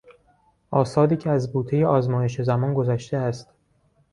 آثاری که از بوتهی آزمایش زمان گذشته است.